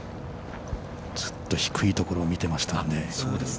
◆ちょっと低いところを見てましたんで。